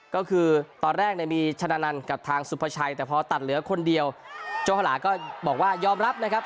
ก็คือตอนแรกเนี่ยมีชนะนันกับทางสุภาชัยแต่พอตัดเหลือคนเดียวโจฮลาก็บอกว่ายอมรับนะครับ